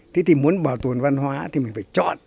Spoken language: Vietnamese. thế thì muốn bảo tồn văn hóa thì mình phải chọn